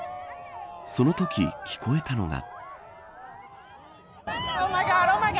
そのとき聞こえたのが。